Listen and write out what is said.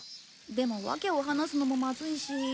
でも訳を話すのもまずいし。